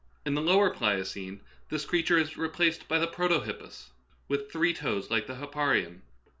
In the lower Pliocene this creature is replaced by the protohippus, with three toes like the hipparion.